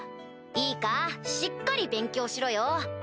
いいかしっかり勉強しろよ？